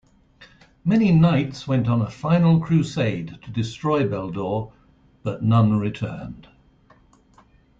Many knights went on a final crusade to destroy Beldor but none returned.